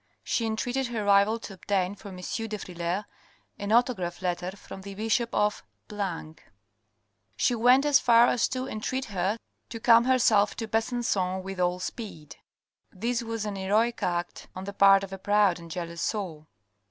She entreated her rival to obtain for M. de Frilair an autograph letter from the bishop of . She went as far as to entreat her to come herself to Besancon with all speed. This was an heroic act on the part of a proud and jealous soul.